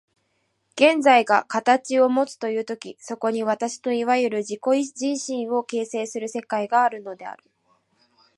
現在が形をもつという時、そこに私のいわゆる自己自身を形成する世界があるのである。